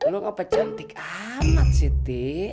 lo kok apa cantik amat siti